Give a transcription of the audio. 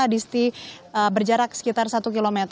disti berjarak sekitar satu km